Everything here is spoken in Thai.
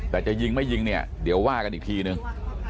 แต่จะยิงไม่ยิงเนี่ยเดี๋ยวว่ากันอีกทีนึง